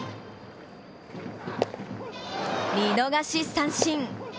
見逃し三振。